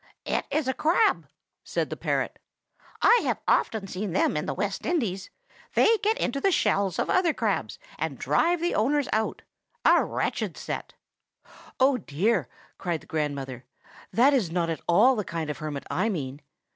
"It is a crab," said the parrot. "I have often seen them in the West Indies. They get into the shells of other crabs, and drive the owners out. A wretched set!" "Oh, dear!" cried the grandmother. "That is not at all the kind of hermit I mean.